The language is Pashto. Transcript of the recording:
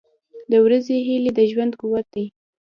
• د ورځې هیلې د ژوند قوت دی.